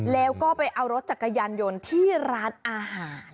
แล้วก็ไปเอารถจักรยานยนต์ที่ร้านอาหาร